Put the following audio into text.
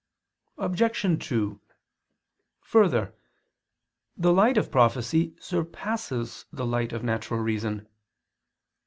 Obj. 2: Further, the light of prophecy surpasses the light of natural reason.